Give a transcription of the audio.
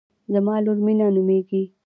زما لور مینه نومیږي